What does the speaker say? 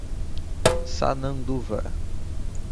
Sananduva